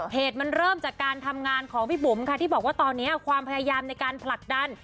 เหตุมันเริ่มจากการทำงานของพี่บุ๋มค่ะที่บอกว่าตอนนี้ความพยายามในการผลักดัน